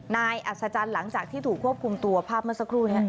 อัศจรรย์หลังจากที่ถูกควบคุมตัวภาพเมื่อสักครู่นี้